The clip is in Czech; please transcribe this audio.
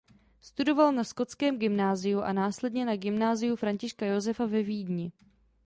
Studoval na Skotském gymnáziu a následně na Gymnáziu Františka Josefa ve Vídni.